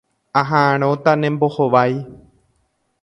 Aha'ãrõta ne mbohovái.